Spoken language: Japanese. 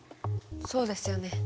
そうですよね。